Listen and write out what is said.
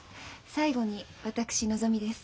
最後に私のぞみです。